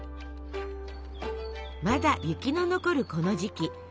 まだ雪の残るこの時期。